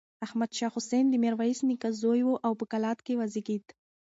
احمد شاه حسين د ميرويس نيکه زوی و او په کلات کې وزېږېد.